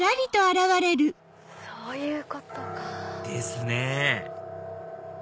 そういうことか。ですね